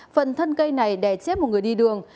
phần thân cây này đè chết một người đi đường